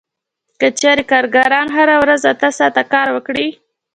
که چېرې کارګران هره ورځ اته ساعته کار وکړي